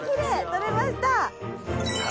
取れました！